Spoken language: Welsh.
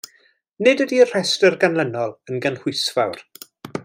Nid ydy'r rhestr ganlynol yn gynhwysfawr.